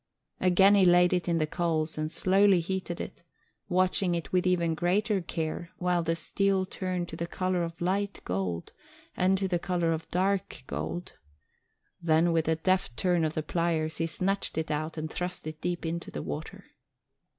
Again he laid it in the coals and slowly heated it, watching with even greater care while the steel turned to the colour of light gold and to the colour of dark gold; then with a deft turn of the pliers he snatched it out and thrust it deep into the water.